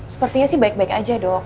sepertinya sih baik baik aja dok